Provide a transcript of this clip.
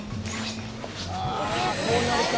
あこうなるか。